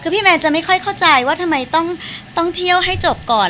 พี่แมนจะค่อยไม่เข้าใจว่าทำไมต้องที่เติ้าให้จบก่อน